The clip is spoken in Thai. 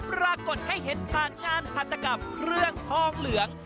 ปรากฏให้เห็นผ่านงานหัตกรรมเครื่องทองเหลือง